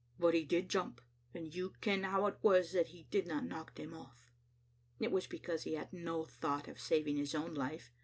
But he did jump, and you ken how it was that he didna knock them off." It was because he had no thought of saving his own life.